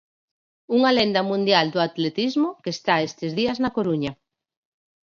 Unha lenda mundial do atletismo que está estes días na Coruña.